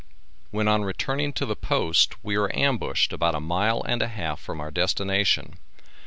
When on returning to the Post we were ambushed about a mile and a half from our destination.